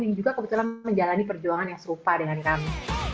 yang juga kebetulan menjalani perjuangan yang serupa dengan kami